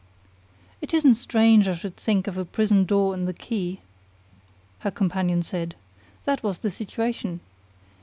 "It isn't strange I should think of the prison door and the key," her companion said. "That was the situation.